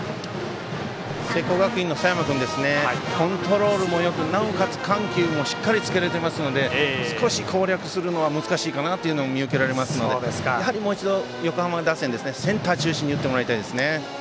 聖光学院の佐山君コントロールもよくなおかつ緩急もしっかりつけられていますので少し攻略するのは難しいかなというのが見受けられますので、もう一度横浜打線はセンター中心に打ってもらいたいです。